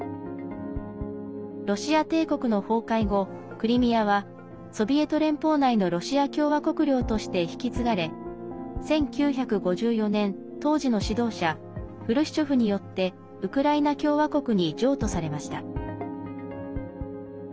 ロシア帝国の崩壊後、クリミアはソビエト連邦内のロシア共和国領として引き継がれ１９５４年、当時の指導者フルシチョフによってウクライナ共和国に譲渡されました。